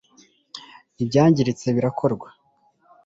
ibyangiritse birakorwa